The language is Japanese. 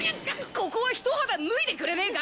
ここはひと肌脱いでくれねえか？